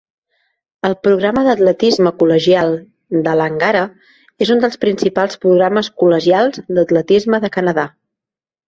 El programa d"atletisme col·legial de Langara és un dels principals programes col·legials d"atletisme de Canadà.